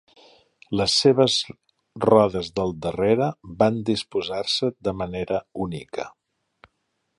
Les seves rodes del darrere van disposar-se de manera única.